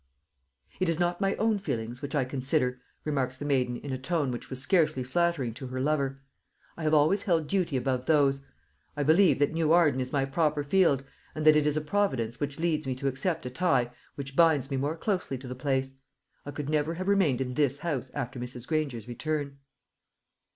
"It is not my own feelings which I consider," remarked the maiden, in a tone which was scarcely flattering to her lover; "I have always held duty above those. I believe that New Arden is my proper field, and that it is a Providence that leads me to accept a tie which binds me more closely to the place. I could never have remained in this house after Mrs. Granger's return."